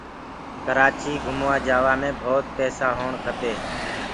ڪرآچيٚ گھموآ جآوآ مي ڀوت پيسآ هوو کپينٚ